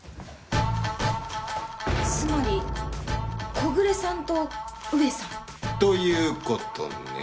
つまり小暮さんと上さん？という事ね。